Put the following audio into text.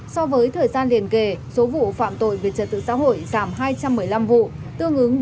so với thời gian liền kể số vụ phạm tội về trật tự xã hội giảm hai trăm một mươi năm vụ tương ứng bốn mươi bốn hai mươi bốn